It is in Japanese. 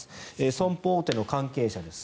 損保大手の関係者です。